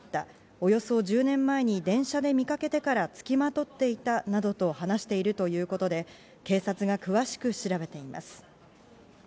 およそ１０年前に電車で見かけてから、つきまとっていたなどと話しているということで警察が詳しく調べています。